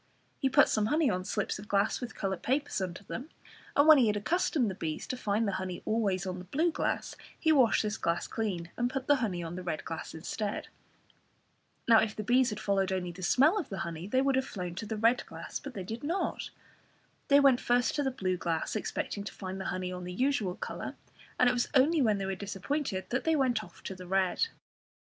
He put some honey on slips of glass with coloured papers under them, and when he had accustomed the bees to find the honey always on the blue glass, he washed this glass clean, and put the honey on the red glass instead. Now if the bees had followed only the smell of the honey, they would have flown to the red glass, but they did not. They went first to the blue glass, expecting to find the honey on the usual colour, and it was only when they were disappointed that they went off to the red.